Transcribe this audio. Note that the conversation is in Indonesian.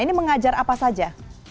ini mengajar apa saja